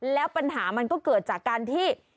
แล้วปัญหามันก็เกิดจากการที่